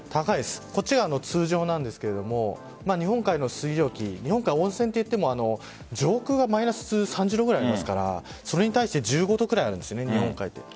こちらが通常なんですが日本海の水蒸気日本海は温泉といっても上空がマイナス３０度くらいありますからそれに対して１５度くらいあるんです日本海で。